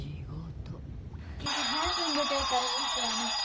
今朝早くに出ていかれましたよね。